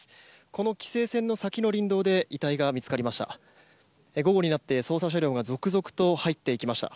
この規制線の先の林道で遺体が見つかりました。